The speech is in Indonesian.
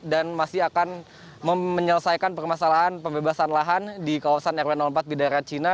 dan masih akan menyelesaikan permasalahan pembebasan lahan di kawasan rw empat bidara cina